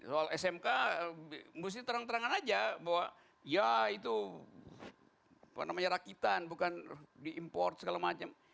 soal smk mesti terang terangan aja bahwa ya itu rakitan bukan diimport segala macam